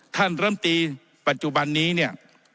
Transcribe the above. ท่านรมตีปัจจุบันนี้